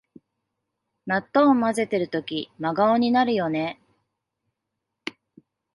納豆をまぜてるとき真顔になるよね